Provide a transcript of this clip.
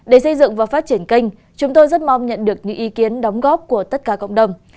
để xây dựng và phát triển kênh chúng tôi rất mong nhận được những ý kiến đóng góp của tất cả cộng đồng